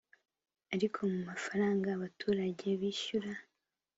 Ariko mu mafaranga abaturage bishyura